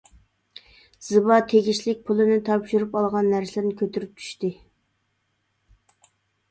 زىبا تېگىشلىك پۇلىنى تاپشۇرۇپ ئالغان نەرسىلىرىنى كۆتۈرۈپ چۈشتى.